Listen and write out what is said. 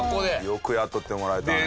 よく雇ってもらえたね。